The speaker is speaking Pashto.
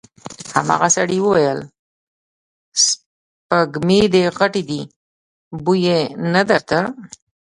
هماغه سړي وويل: سپږمې خو دې غټې دې، بوی يې نه درته؟